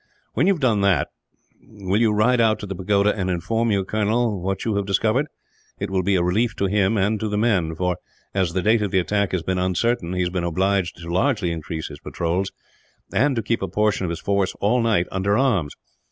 When you have done that, will you ride out to the pagoda and inform your colonel what you have discovered? It will be a relief to him, and to the men for, as the date of the attack has been uncertain, he has been obliged to largely increase his patrols, and to keep a portion of his force, all night, under arms.